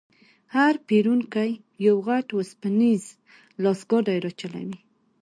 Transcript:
هر پېرونکی یو غټ وسپنیز لاسګاډی راچلوي.